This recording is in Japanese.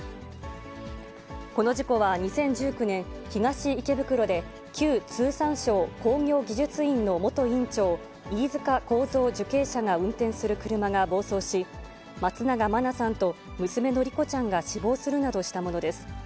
この事故は２０１９年、東池袋で、旧通産省工業技術院の元院長、飯塚幸三受刑者が運転する車が暴走し、松永真菜さんと娘の莉子ちゃんが死亡するなどしたものです。